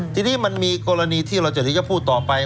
ทีนี้มันมีกรณีที่เราจะถึงจะพูดต่อไป